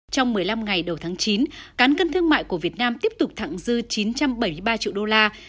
trong một mươi năm ngày đầu tháng chín cán cân thương mại của việt nam tiếp tục thẳng dư chín trăm bảy mươi ba triệu đô la